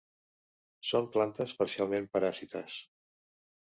Són plantes parcialment paràsites.